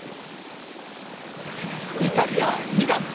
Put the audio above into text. イタリア・ミラノ。